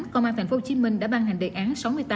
công an tp hcm đã ban hành đề án